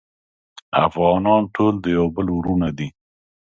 افغانان ټول د یو بل وروڼه دی